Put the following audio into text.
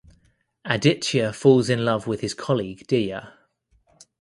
Aditya falls in love with his colleague Diya.